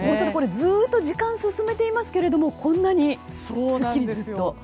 ずっと時間を進めていますけれどもこんなにすっきり、ずっと。